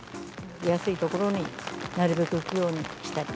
安い所になるべく行くようにしたり。